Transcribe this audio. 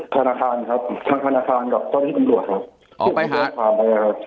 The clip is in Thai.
ธนาคารครับทางธนาคารกับเจ้าที่ตำรวจครับ